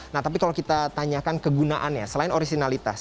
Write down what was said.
nah tapi kalau kita tanyakan kegunaannya selain originalitas